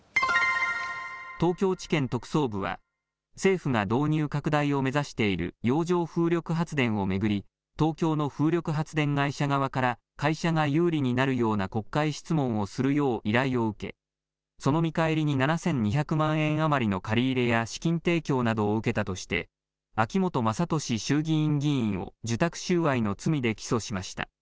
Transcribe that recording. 東京地検特捜部は、政府が導入拡大を目指している洋上風力発電を巡り、東京の風力発電会社側から会社が有利になるような国会質問をするよう依頼を受け、その見返りに７２００万円余りの借り入れや資金提供などを受けたとして、秋本真利衆議院議員を受託収賄の罪で起訴しました。